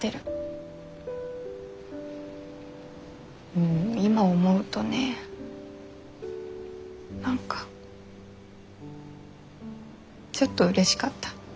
うん今思うとね何かちょっとうれしかった。